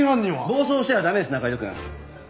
暴走しては駄目です仲井戸くん。